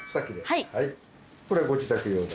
これはご自宅用で？